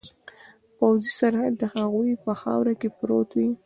پوځي سرحد د هغوی په خاوره کې پروت وي.